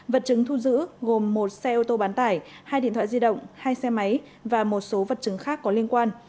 vật chứng thu giữ gồm một xe ô tô bán tải hai điện thoại di động hai xe máy và một số vật chứng khác có liên quan